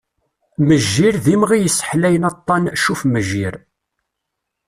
Mejjir d imɣi yesseḥlayen aṭan "Ccuf-mejjir".